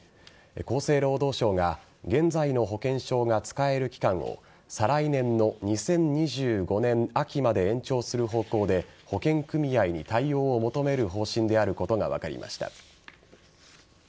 厚生労働省が現在の保険証が使える期間を再来年の２０２５年秋まで延長する方向で保険組合に対応を求める方針であることが分かりました。